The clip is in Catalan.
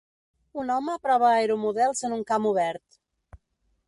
Un home prova aeromodels en un camp obert.